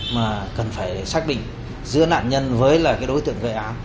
mà cần phải xác định giữa nạn nhân với đối tượng gợi án